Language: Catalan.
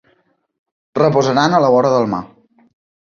Reposaran a la vora del mar.